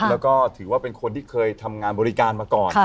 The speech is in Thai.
แล้วก็ถือว่าเป็นคนที่เคยทำงานบริการมาก่อน